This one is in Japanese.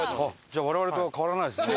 じゃあ我々と変わらないですね。